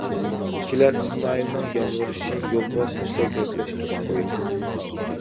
كېلەر ئىسمائىلنىڭ يالۋۇرۇشى يولۋاسنى سەگەكلەشتۈرۈپ قويدى.